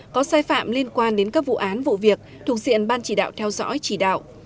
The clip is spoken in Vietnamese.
có sai phạm liên quan đến các vụ án vụ việc thuộc diện ban chỉ đạo theo dõi chỉ đạo